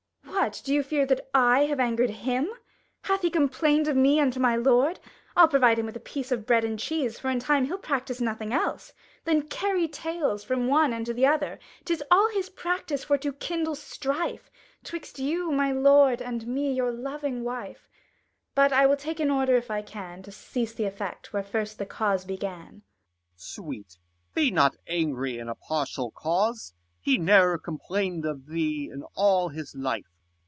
Gon. What, do you fear, that I have anger'd him ? 1 5 Hath he complained of me unto my lord ? I'll provide him a piece of bread and cheese ; For in a time he'll practise nothing else, Than carry tales from one unto another. 'Tis all his practice for to kindle strife, 20 'Twixt you, my lord, and me your loving wife : Sc. in] HIS THREE DAUGHTERS 35 But I will take an order, if I can, To cease th' effect, where first the cause began. Com. Sweet, be not angry in a partial cause, He ne'er complain'd of thee in all his life.